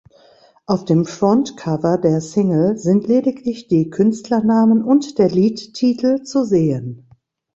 Auf dem Frontcover der Single sind lediglich die Künstlernamen und der Liedtitel zu sehen.